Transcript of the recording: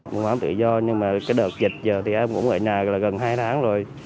buôn bán tự do nhưng mà cái đợt dịch giờ thì em cũng ở nhà gần hai tháng rồi